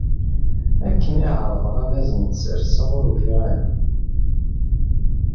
Akken i ɛerḍeɣ ad asen-d-nesreɣ ur ufiɣ ara.